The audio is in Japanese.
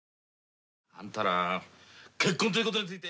あんたら結婚ということについて。